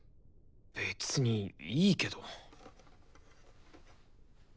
別にいいけど。